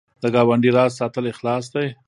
د ګاونډي راز ساتل اخلاص دی